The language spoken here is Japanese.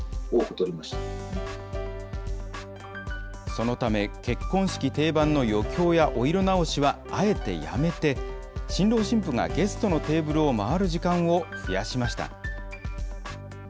そのため、結婚式定番の余興やお色直しはあえてやめて、新郎新婦がゲストのテーブルを回る時間を増やしました。